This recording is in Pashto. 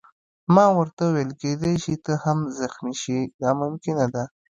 ما ورته وویل: کېدای شي ته هم زخمي شې، دا ممکنه ده.